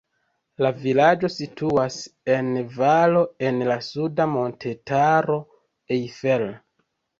La vilaĝo situas en valo en la suda montetaro Eifel.